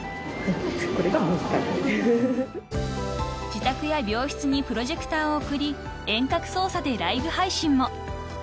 ［自宅や病室にプロジェクターを送り遠隔操作でライブ配信も］